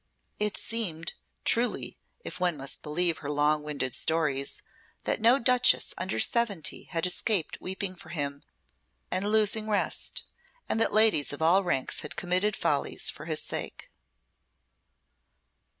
It seemed, truly if one must believe her long winded stories that no duchess under seventy had escaped weeping for him and losing rest, and that ladies of all ranks had committed follies for his sake.